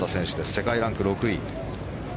世界ランク６位。